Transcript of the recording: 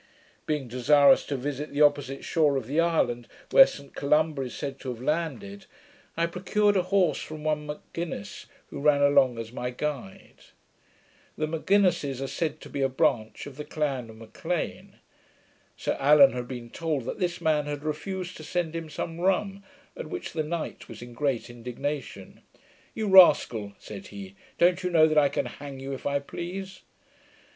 Being desirous to visit the opposite shore of the island, where Saint Columba is said to have landed, I procured a horse from one M'Ginnis, who ran along as my guide. The M'Ginnises are said to be a branch of the clan of M'Lean. Sir Allan had been told that this man had refused to send him some rum, at which the knight was in great indignation. 'You rascal!' said he. 'Don't you know that I can hang you, if I please?'